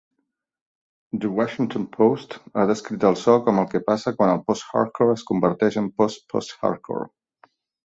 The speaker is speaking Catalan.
"The Washington Post" ha descrit el so com "el que passa quan el post-hardcore és converteix en post-post-hardcore".